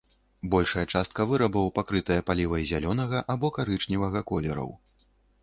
Большая частка вырабаў пакрытая палівай зялёнага або карычневага колераў.